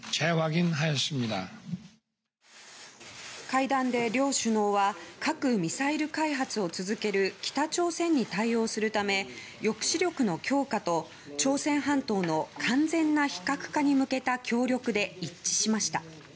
会談で両首脳は核・ミサイル開発を続ける北朝鮮に対応するため抑止力の強化と朝鮮半島の完全な非核化に向けた協力で一致しました。